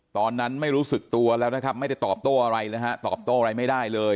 ตอนนั้นไม่รู้สึกตัวแล้วนะครับไม่ได้ตอบโต้อะไรนะฮะตอบโต้อะไรไม่ได้เลย